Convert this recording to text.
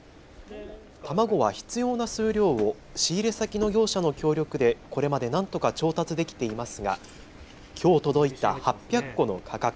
卵は必要な数量を仕入れ先の業者の協力でこれまでなんとか調達できていますがきょう届いた８００個の価格。